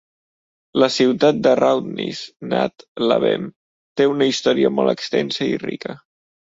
La ciutat de Roudnice nad Labem té una història molt extensa i rica.